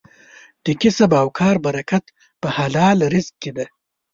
د کسب او کار برکت په حلال رزق کې دی.